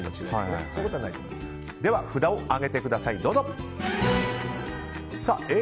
札を上げてください。